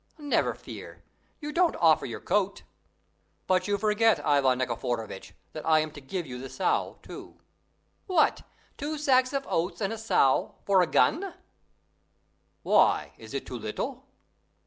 Never fear, you don't offer your coat." "But you forget, Ivan Nikiforovitch, that I am to give you the sow too." "What! two sacks of oats and a sow for a gun?" "Why, is it too little?"